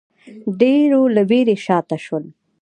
ډېرو له وېرې شا ته شول